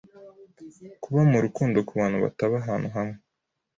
kuba mu rukundo ku bantu bataba ahantu hamwe